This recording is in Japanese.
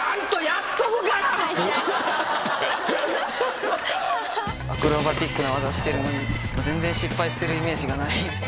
アクロバティックな技してるのに全然失敗してるイメージがない。